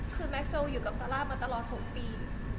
คือแม็กโซอยู่กับซาร่ามาตลอด๖ปี